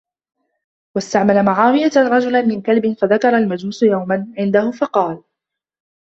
وَاسْتَعْمَلَ مُعَاوِيَةُ رَجُلًا مِنْ كَلْبٍ فَذُكِرَ الْمَجُوسُ يَوْمًا عِنْدَهُ فَقَالَ